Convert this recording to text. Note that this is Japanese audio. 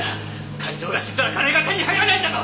会長が死んだら金が手に入らないんだぞ！